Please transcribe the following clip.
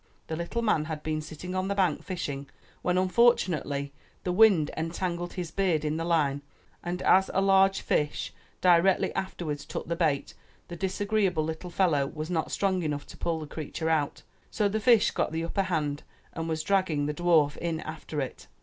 The little man had been sitting on the bank fishing when unfortunately the wind entangled his beard in the line and as a large fish directly afterwards took the bait, the disagreeable little fellow was not strong enough to pull the creature out, so the fish got the upper hand and was dragging the dwarf in after it.